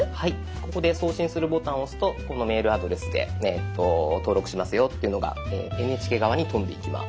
ここで「送信する」ボタンを押すとこのメールアドレスで登録しますよっていうのがＮＨＫ側に飛んでいきます。